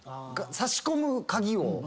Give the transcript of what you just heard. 差し込む鍵を。